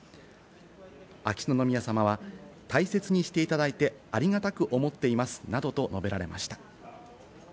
秋篠宮さまは大切にしていただいてありがたく思っていますなどと述べられました。